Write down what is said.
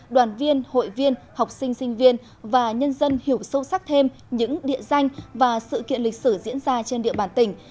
đoàn viên hội viên học sinh sinh viên và nhân dân hiểu sâu sắc thêm những địa danh và sự kiện lịch sử diễn ra trên địa bàn tỉnh